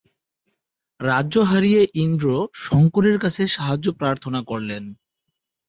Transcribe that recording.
রাজ্য হারিয়ে ইন্দ্র শঙ্করের কাছে সাহায্য প্রার্থনা করলেন।